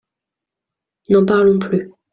N'en parlons plus.